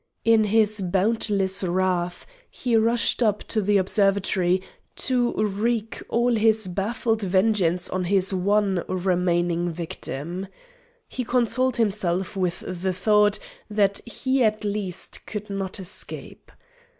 In his boundless wrath he rushed up to the observatory to wreak all his baffled vengeance on his one remaining victim. He consoled himself with the thought that he at least could not escape.